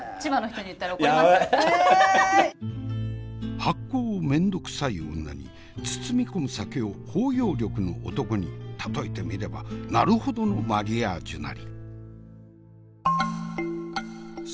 発酵を面倒くさい女に包み込む酒を包容力の男に例えてみればなるほどのマリアージュなり。